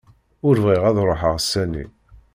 Ur bɣiɣ ad ruḥeɣ sani.